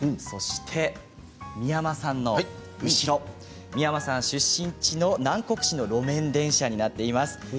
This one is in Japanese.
そして三山さんの後ろ三山さん出身地の南国市の路面電車になっています。